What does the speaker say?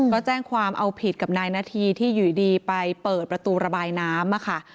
ก็แจ้งความเอาผิดกับนายนาธีที่อยู่ดีไปเปิดประตูระบายน้ำค่ะ